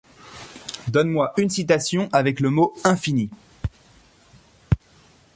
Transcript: Donne moi une citation avec le mot infini.